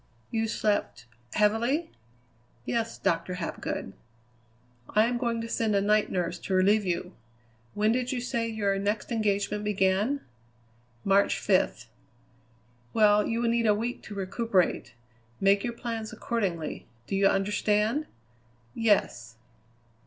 "You slept heavily?" "Yes, Doctor Hapgood." "I am going to send a night nurse to relieve you. When did you say your next engagement began?" "March fifth." "Well, you will need a week to recuperate. Make your plans accordingly. Do you understand?" "Yes."